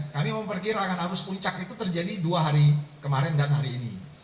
kami memperkirakan arus puncak itu terjadi dua hari kemarin dan hari ini